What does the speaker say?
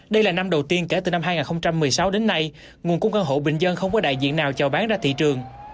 đây là năm đầu tiên kể từ năm hai nghìn một mươi sáu đến nay nguồn cung căn hộ bình dân không có đại diện nào cho bán ra thị trường